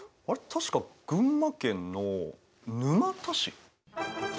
確か群馬県の沼田市？